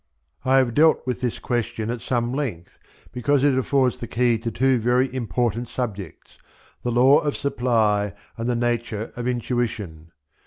I have dealt with this question at some length because it affords the key to two very important subjects, the Law of Supply and the nature of Intuition.